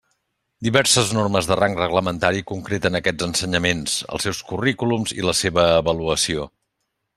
Diverses normes de rang reglamentari concreten aquests ensenyaments, els seus currículums i la seva avaluació.